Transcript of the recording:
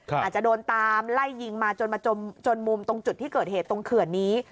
อาจจะโดนตามไล่ยิงมาจนมาจนมุมตรงจุดที่เกิดเหตุตรงเขื่อนนี้